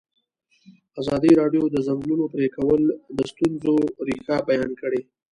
ازادي راډیو د د ځنګلونو پرېکول د ستونزو رېښه بیان کړې.